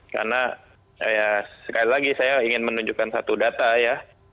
karena sekali lagi saya ingin menunjukkan satu data ya